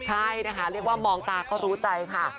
ใช่นะคะเรียกว่ามองตาก็รู้ใจค่ะ